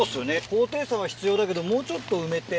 高低差は必要だけどもうちょっと埋めて。